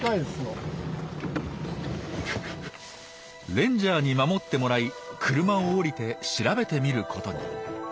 レンジャーに守ってもらい車を降りて調べてみることに。